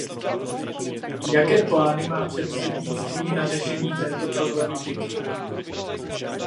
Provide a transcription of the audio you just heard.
Jaké plány má předsednictví na řešení této problematiky?